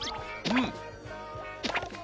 うん。